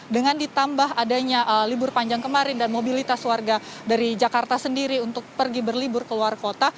dengan ditambah adanya libur panjang kemarin dan mobilitas warga dari jakarta sendiri untuk pergi berlibur ke luar kota